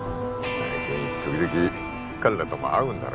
君時々彼らとも会うんだろ？